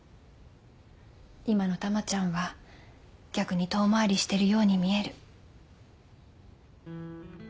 今の珠ちゃんは逆に遠回りしてるように見える。